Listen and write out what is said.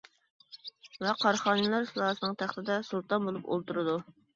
ۋە قارا خانىلار سۇلالىسىنىڭ تەختىدە سۇلتان بولۇپ ئولتۇرىدۇ.